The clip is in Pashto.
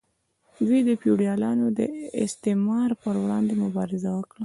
دوی د فیوډالانو د استثمار پر وړاندې مبارزه وکړه.